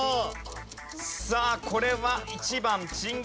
さあこれは１番。